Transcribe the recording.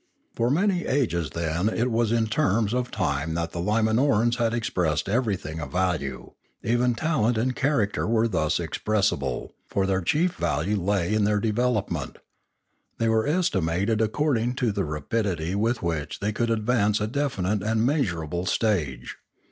For many ages then it was in terms of time that the Limauorans had expressed everything of value; even talent and character were thus express ible, for their chief value lay in their development; they were estimated according to the rapidity with which they could advance a definite and measurable stage.